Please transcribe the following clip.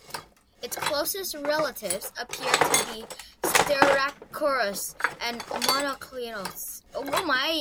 Its closest relatives appear to be "Styracosaurus" and "Monoclonius".